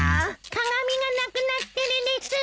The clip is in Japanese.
鏡がなくなってるです！